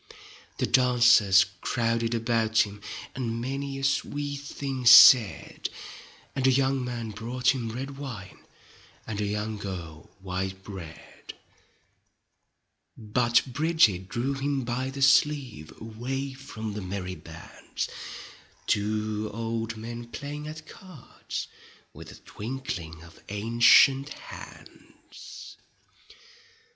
The dancers crowded about him, And many a sweet thing said, And a young man brought him red wine And a young girl white bread. But Bridget drew him by the sleeve. Away from the merry bands. To old men playing at cards With a twinkling of ancient hands.